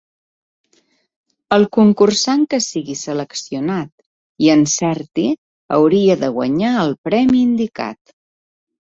El concursant que sigui seleccionat i encerti hauria de guanyar el premi indicat.